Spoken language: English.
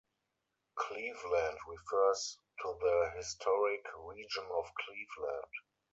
"Cleveland" refers to the historic region of Cleveland.